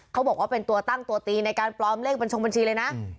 เขาบอกว่าเป็นตัวตั้งตัวตีในการปลอมเลขบัญชงบัญชีเลยนะ